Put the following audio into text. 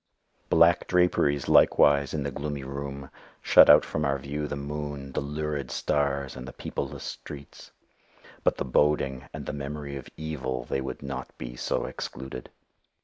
Black draperies, likewise in the gloomy room, shut out from our view the moon, the lurid stars, and the peopleless streets but the boding and the memory of Evil, they would not be so excluded.